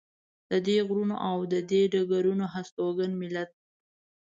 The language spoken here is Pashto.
د دې غرونو او دې ډګرونو هستوګن ملت.